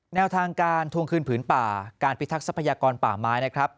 แนวทางการทวงคืนผืนป่าการพิทักษัพยากรป่าไม้นะครับ